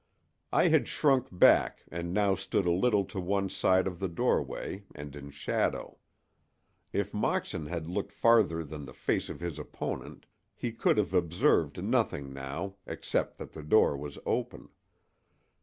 I had shrunk back and now stood a little to one side of the doorway and in shadow. If Moxon had looked farther than the face of his opponent he could have observed nothing now, except that the door was open.